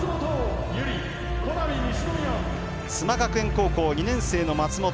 須磨学園高校２年生の松本。